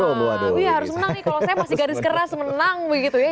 oh iya harus menang nih kalau saya masih garis keras menang begitu ya